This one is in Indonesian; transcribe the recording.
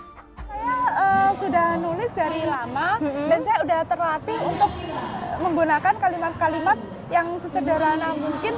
saya sudah nulis dari lama dan saya sudah terlatih untuk menggunakan kalimat kalimat yang sesederhana mungkin